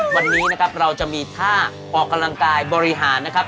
วันนี้นะครับเราจะมีท่าออกกำลังกายบริหารนะครับ